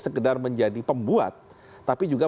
sekedar menjadi pembuat tapi juga